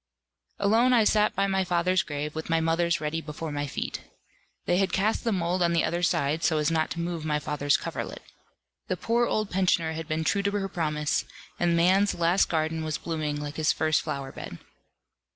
Alone I sat by my father's grave, with my mother's ready before my feet. They had cast the mould on the other side, so as not to move my father's coverlet. The poor old pensioner had been true to her promise, and man's last garden was blooming like his first flower bed.